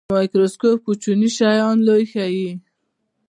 مایکروسکوپ کوچني شیان لوی ښيي